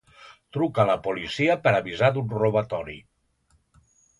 Truca a la policia per avisar d'un robatori.